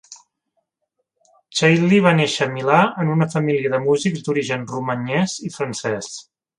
Chailly va néixer a Milà en una família de músics d'origen romanyès i francès.